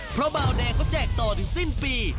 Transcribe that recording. เพราะบาวแดงเขาแจกต่อถึงสิ้นปี